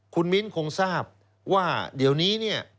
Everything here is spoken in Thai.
คุณมิ้นคงทราบว่าเดี๋ยวนี้เนี่ย